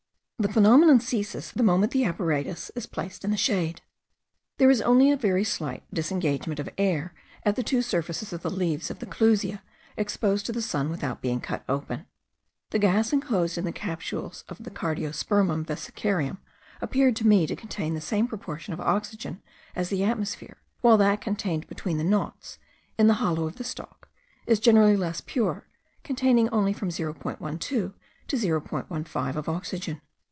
The phenomenon ceases the moment the apparatus is placed in the shade. There is only a very slight disengagement of air at the two surfaces of the leaves of the clusia exposed to the sun without being cut open. The gas enclosed in the capsules of the Cardiospermum vesicarium appeared to me to contain the same proportion of oxygen as the atmosphere, while that contained between the knots, in the hollow of the stalk, is generally less pure, containing only from 0.12 to 0.15 of oxygen.